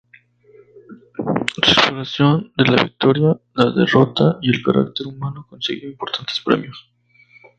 Su exploración de la victoria, la derrota y el carácter humano, consiguió importantes premios.